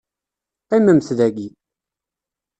Qqimemt dagi.